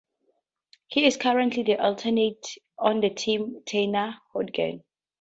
He is currently the alternate on Team Tanner Horgan.